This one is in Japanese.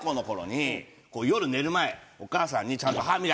夜寝る前お母さんに「ちゃんと」。